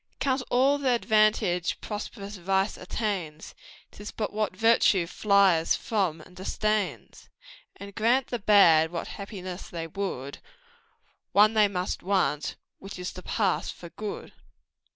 "Count all th' advantage prosperous vice attains, 'Tis but what virtue flies from and disdains; And grant the bad what happiness they would, One they must want which is to pass for good."